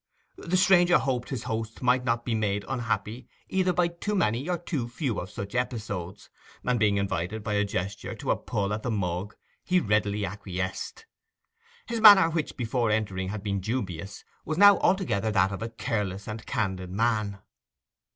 The stranger hoped his host might not be made unhappy either by too many or too few of such episodes, and being invited by a gesture to a pull at the mug, he readily acquiesced. His manner, which, before entering, had been so dubious, was now altogether that of a careless and candid man.